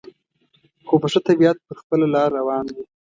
خو په ښه طبیعت پر خپله لار روان و.